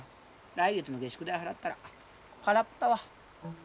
来月の下宿代払ったらカラッポだわ。